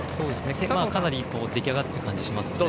かなり出来上がってる感じがしますよね。